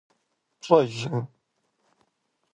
ПщӀэжрэ?